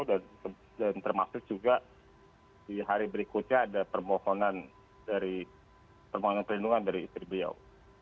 dan termasuk juga di hari berikutnya ada permohonan perlindungan dari istri beliau